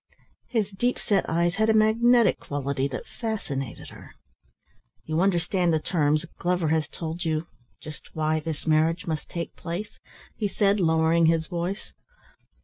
His deep set eyes had a magnetic quality that fascinated her. "You understand the terms? Glover has told you just why this marriage must take place?" he said, lowering his voice.